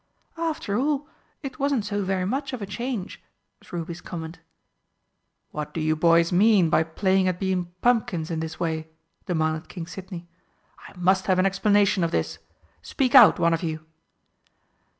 "After all, it wasn't so very much of a change!" was Ruby's comment. "What do you boys mean by playing at being pumpkins in this way?" demanded King Sidney. "I must have an explanation of this. Speak out, one of you!"